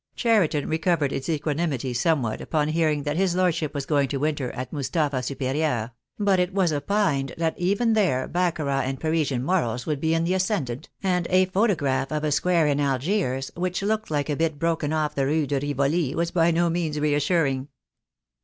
Cheriton recovered its equanimity somewhat upon hear ing that his Lordship was going to winter at Mustapha Superieure — but it was opined that even there baccarat and Parisian morals would be in the ascendant, and a photograph of a square in Algiers, which looked like a bit broken off the Rue de Rivoli, was by no means reassuring.